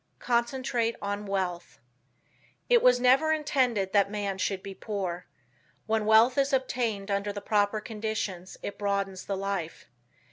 CONCENTRATE ON WEALTH It was never intended that man should be poor. When wealth is obtained under the proper conditions it broadens the life.